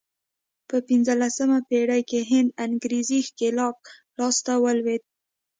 په پنځلسمه پېړۍ کې هند انګرېزي ښکېلاک لاس ته ولوېد.